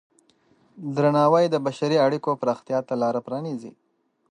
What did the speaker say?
درناوی د بشري اړیکو پراختیا ته لاره پرانیزي.